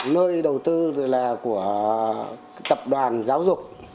nơi đầu tư là của tập đoàn giáo dục